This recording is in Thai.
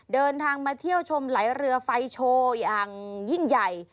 เดินทางมาเที่ยวชมไหลเรือไฟโชว์อย่างยิ่งใหญ่